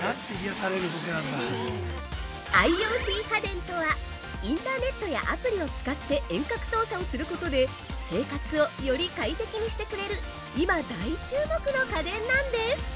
「ＩｏＴ家電」とは、インターネットやアプリを使って遠隔操作をすることで生活をより快適にしてくれる今大注目の家電なんです。